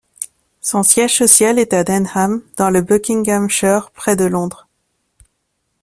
Son siège social est à Denham, dans le Buckinghamshire, près de Londres.